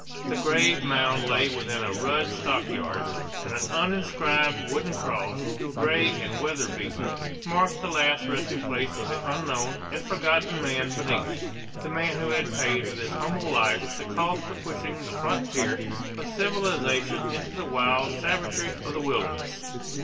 The grave mound lay within a rude stockade; and an uninscribed wooden cross, gray and weather beaten, marked the last resting place of the unknown and forgotten man beneath, the man who had paid with his humble life the cost of pushing the frontier of civilization into the wild savagery of the wilderness.